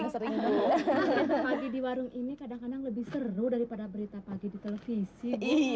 pagi di warung ini kadang kadang lebih seru daripada berita pagi di televisi